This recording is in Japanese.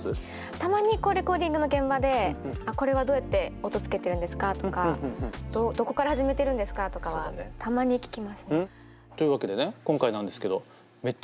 たまにレコーディングの現場でこれはどうやって音つけてるんですかとかどこから始めてるんですかとかはたまに聞きますね。というわけでね今回なんですけどめっちゃ豪華よ。